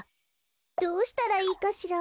どうしたらいいかしら。